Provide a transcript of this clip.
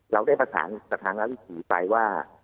เราได้ประสานกับทางอาวิถีไปว่า